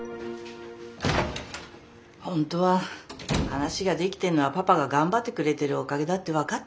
本当は話ができてんのはパパが頑張ってくれてるおかげだって分かってんだけどね。